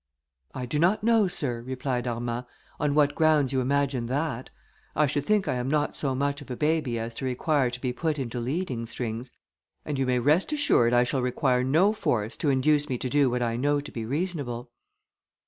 "I do not know, sir," replied Armand, "on what grounds you imagine that. I should think I am not so much of a baby as to require to be put into leading strings, and you may rest assured I shall require no force to induce me to do what I know to be reasonable."